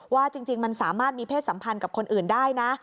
จริงมันสามารถมีเพศสัมพันธ์กับคนอื่นได้นะ